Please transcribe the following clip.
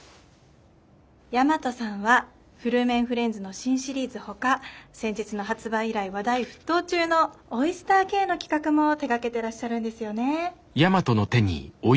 大和さんはフルーメンフレンズの新シリーズほか先日の発売以来話題沸騰中のオイスターＫの企画も手がけてらっしゃるんですよね。